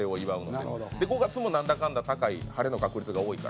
で５月もなんだかんだ高い晴れの確率が多いから。